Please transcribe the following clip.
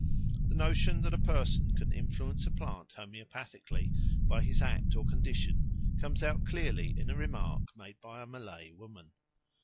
The notion that a person can influence a plant homoeopathically by his act or condition comes out clearly in a remark made by a Malay woman.